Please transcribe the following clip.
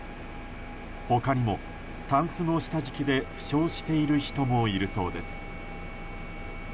他にも、たんすの下敷きで負傷している人もいるそうです。